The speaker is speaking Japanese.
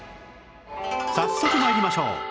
早速参りましょう